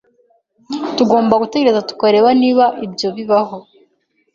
Tugomba gutegereza tukareba niba ibyo bibaho